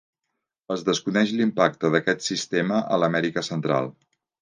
Es desconeix l'impacte d'aquest sistema a l'Amèrica Central.